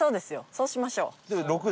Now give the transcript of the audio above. そうしましょう。